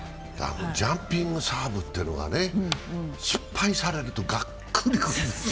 ジャンピングサーブというのが失敗されるとがっくりくるんです。